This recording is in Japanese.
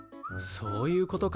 そういうことか。